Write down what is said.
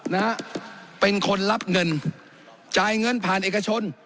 นะฮะเป็นคนรับเงินจ่ายเงินผ่านเอกชน